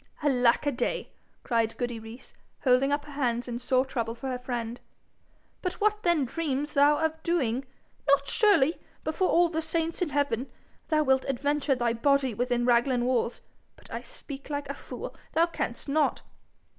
'Alack a day!' cried goody Rees, holding up her hands in sore trouble for her friend. 'But what then dreams thou of doing? Not surely, before all the saints in heaven, will thou adventure thy body within Raglan walls? But I speak like a fool. Thou canst not.'